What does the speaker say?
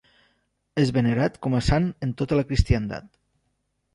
És venerat com a sant en tota la cristiandat.